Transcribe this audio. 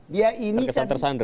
terkesan tersandra ya